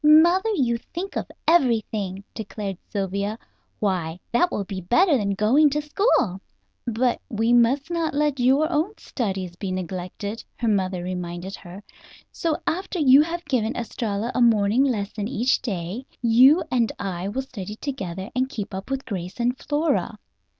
Mother, you think of everything," declared Sylvia. "Why, that will be better than going to school!" "But we must not let your own studies be neglected," her mother reminded her, "so after you have given Estralla a morning lesson each day you and I will study together and keep up with Grace and Flora.